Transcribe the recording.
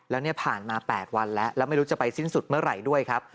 แล้วเนี่ยผ่านมา๘วันแล้วแล้วไม่รู้จะไปสิ้นสุดเมื่อไหร่ด้วยครับ